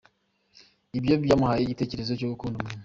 Ibyo byamuhaye igitekerezo cyo gukunda umukino.